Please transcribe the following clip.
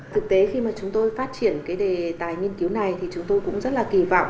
thực tế khi chúng tôi phát triển đề tài nghiên cứu này thì chúng tôi cũng rất kỳ vọng